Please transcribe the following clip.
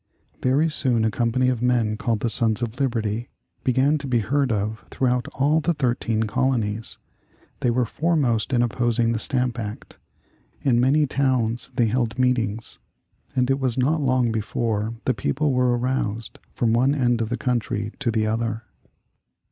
Very soon a company of men called the Sons of Liberty began to be heard of throughout all the thirteen colonies. They were foremost in opposing the Stamp Act. In many towns they held meetings, and it was not long before the people were aroused from one end of the country to the other.